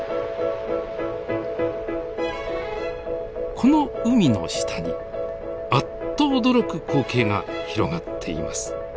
この海の下にあっと驚く光景が広がっています。